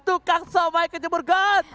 tukang sampai kejembur god